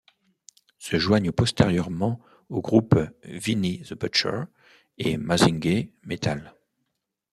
Se joignent postérieurement au groupe Vinnie The Butcher et Mazinguer Metal.